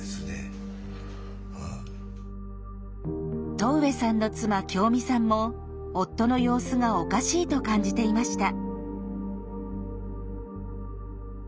戸上さんの妻京美さんも夫の様子がおかしいと感じていました。